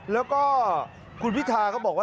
แล้วก็คุณพิธาก็บอกว่า